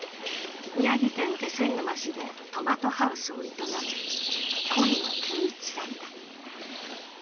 宮城県気仙沼市でトマトハウスを営む今野圭市さんだ。